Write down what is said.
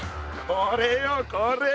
これよこれ！